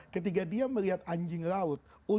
ketika dia melihat anjing laut